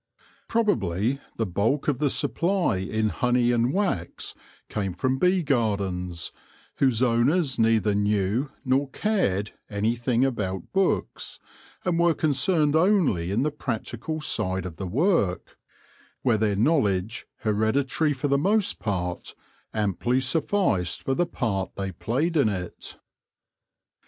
Probably the bulk of the supply in honey and wax came from bee gardens, whose owners neither knew nor cared anything about books, and were concerned only in the practical side of the work, where their knowledge, hereditary for the most part, amply sufficed for the part they played in it.